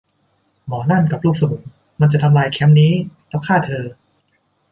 หมอนั่นกับลูกสมุนมันจะทำลายแคมป์นี้ แล้วฆ่าเธอ